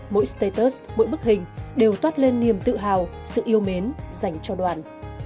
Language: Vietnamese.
mỗi status mỗi bức hình đều toát lên niềm tự hào sự yêu mến dành cho đoàn